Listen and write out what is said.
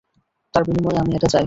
তার বিনিময়ে আমি এটা চাই।